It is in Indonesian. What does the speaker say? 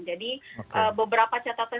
jadi beberapa catatan